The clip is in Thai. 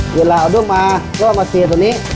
เวลาเอาด้วงมาก็เอามาเคลียร์ตรงนี้